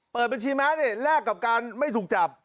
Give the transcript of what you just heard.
เปิดบัญชีม้าเนี่ยแลกกับการไม่ถูกจับ